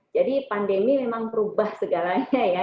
jadi pandemi memang berubah segalanya ya